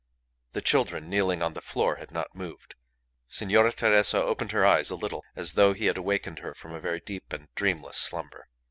The children kneeling on the floor had not moved. Signora Teresa opened her eyes a little, as though he had awakened her from a very deep and dreamless slumber.